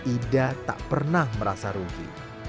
ida tak pernah merasa rugi